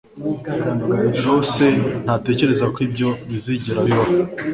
rosse ntatekereza ko ibyo bizigera bibaho.